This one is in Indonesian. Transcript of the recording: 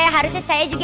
harusnya saya juga